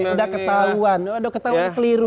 udah ketahuan waduh ketahuan keliru